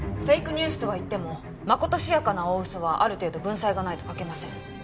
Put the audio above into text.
フェイクニュースとはいってもまことしやかな大嘘はある程度文才がないと書けません。